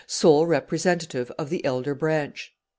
sole representative of the elder branch.